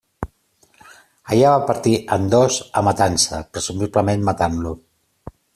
Allà va partir en dos a Matança, presumiblement matant-lo.